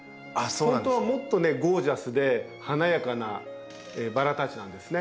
本当はもっとねゴージャスで華やかなバラたちなんですね。